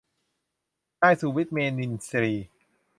นายสุวิทย์ เมษินทรีย์